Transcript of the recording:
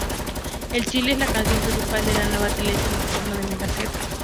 En Chile, es la canción principal de la nueva teleserie nocturna de Mega: Sres.